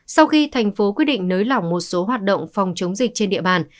sau khi thành phố quyết định nới lỏng một số hoạt động phòng chống dịch trên địa bàn